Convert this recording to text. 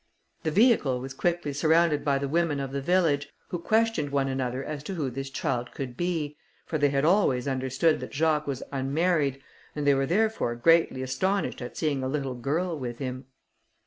The vehicle was quickly surrounded by the women of the village, who questioned one another as to who this child could be, for they had always understood that Jacques was unmarried, and they were therefore greatly astonished at seeing a little girl with him.